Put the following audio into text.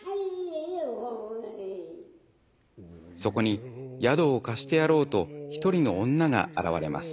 そこに宿を貸してやろうと一人の女が現れます。